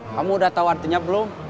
kamu udah tahu artinya belum